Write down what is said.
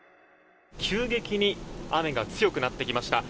急激に雨が強くなってきました。